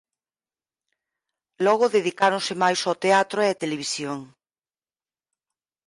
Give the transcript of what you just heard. Logo dedicáronse máis ó teatro e á televisión.